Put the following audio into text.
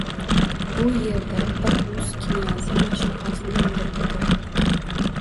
U yerda bir rus knyazi ma’shuqasini o’ldirib qo’yadi